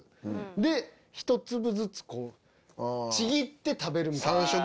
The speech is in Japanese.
で、１粒ずつちぎって食べるみたいな。